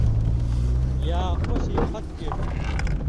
یا خُوشے پھت کیر تُھو،